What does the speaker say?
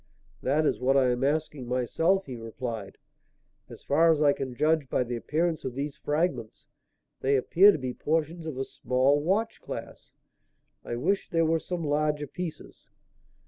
"That is what I am asking myself," he replied. "As far as I can judge by the appearance of these fragments, they appear to be portions of a small watch glass. I wish there were some larger pieces."